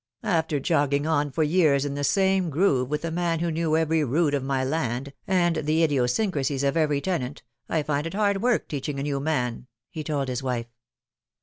" After jogging on for years in the same groove with a man who knew every rood of my land, and the idiosyncrasies of every tenant, I find it hard work teaching a new man," he told his wife.